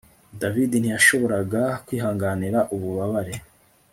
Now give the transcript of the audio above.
David ntiyashoboraga kwihanganira ububabare